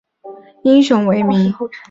机场以印度尼西亚民族英雄为名。